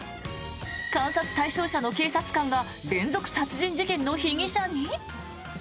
監察対象者の警察官が連続殺人事件の被疑者に！？